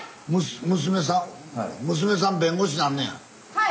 はい。